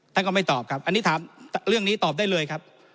ท่านก็ไม่ตอบครับเรื่องนี้ตอบได้เลยครับ